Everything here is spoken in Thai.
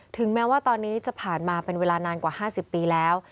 ถึงแม้ว่าตอนนี้จะผ่านมาเป็นเวลานานกว่า๕๐ปีแล้ว